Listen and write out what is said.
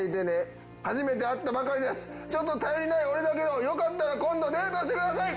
「初めて会ったばかりだしちょっと頼りない俺だけどよかったら今度デートしてください」